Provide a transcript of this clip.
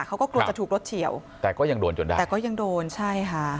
เขาก็กลัวจะถูกรถเฉียวแต่ก็ยังโดนจนได้แต่ก็ยังโดนใช่ค่ะ